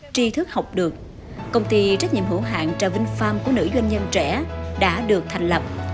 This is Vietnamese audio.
tri thức học được công ty trách nhiệm hữu hạng trà vinh farm của nữ doanh nhân trẻ đã được thành lập